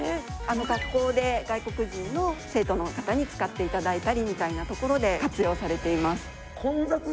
学校で外国人の生徒の方に使って頂いたりみたいなところで活用されています。